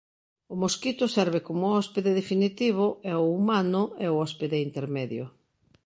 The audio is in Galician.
O mosquito serve como hóspede definitivo e o humano é o hóspede intermedio.